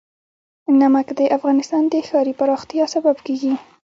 نمک د افغانستان د ښاري پراختیا سبب کېږي.